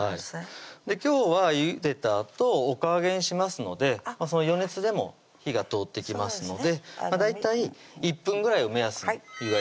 今日はゆでたあとおかあげにしますのでその余熱でも火が通っていきますので大体１分ぐらいを目安に湯がいてください